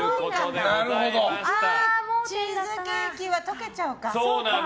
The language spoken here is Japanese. チーズケーキは溶けちゃうか。